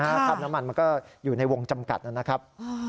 คราบน้ำมันมันก็อยู่ในวงจำกัดนะครับ